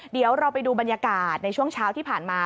เดี๋ยวเราไปดูบรรยากาศในช่วงเช้าที่ผ่านมา